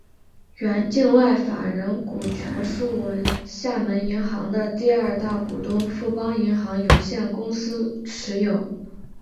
原境外法人股全数为厦门银行的第二大股东富邦银行有限公司持有。